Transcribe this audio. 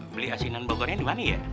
beli asinan bogornya dimana ya